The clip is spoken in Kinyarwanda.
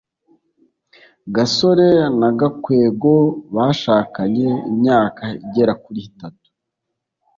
gasore na gakwego bashakanye imyaka igera kuri itatu